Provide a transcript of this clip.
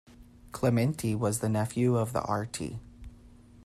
Clementi was the nephew of the Rt.